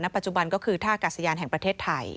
ปัจจุบันก็คือท่ากาศยานแห่งประเทศไทย